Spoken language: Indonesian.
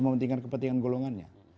mementingkan kepentingan golongannya